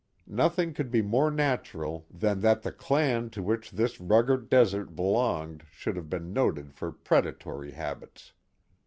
Nothing could be more natural than that the clan to which this rugged desert belonged should have been noted for predatory habits.